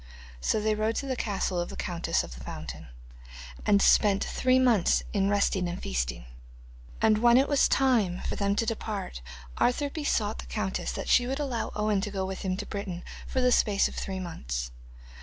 So they rode to the castle of the countess of the fountain, and spent three months in resting and feasting. And when it was time for them to depart Arthur besought the countess that she would allow Owen to go with him to Britain for the space of three months.